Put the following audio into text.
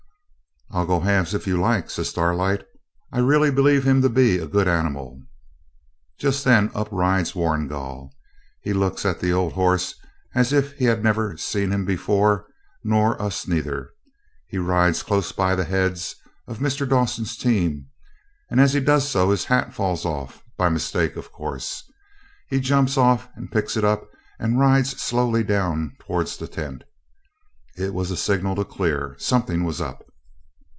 'I'll go you halves if you like,' says Starlight. 'I weally believe him to be a good animal.' Just then up rides Warrigal. He looks at the old horse as if he had never seen him before, nor us neither. He rides close by the heads of Mr. Dawson's team, and as he does so his hat falls off, by mistake, of course. He jumps off and picks it up, and rides slowly down towards the tent. It was the signal to clear. Something was up.